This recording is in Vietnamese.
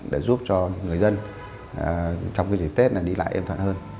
để giúp cho người dân trong cái dịp tết là đi lại êm thuận hơn